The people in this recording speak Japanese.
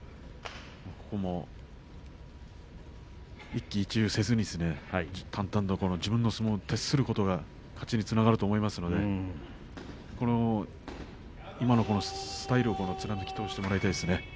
ここも一喜一憂せずに淡々と自分の相撲に徹することが勝ちにつながると思いますので今のスタイルを貫き通してほしいですね。